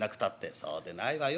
「そうでないわよ。